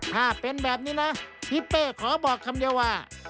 ถ้าเป็นแบบนี้นะทิศเป้ขอบอกคำเดียวว่า